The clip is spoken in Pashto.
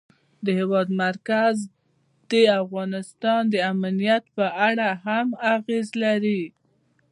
د هېواد مرکز د افغانستان د امنیت په اړه هم اغېز لري.